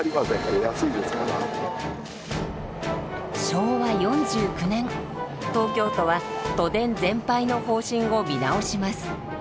昭和４９年東京都は都電全廃の方針を見直します。